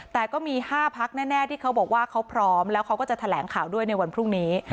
แต่ก็มี๕พักแน่ที่เขาบอกว่าเขาพร้อมแล้วเขาก็จะแถลงข่าวด้วยในวันพรุ่งนี้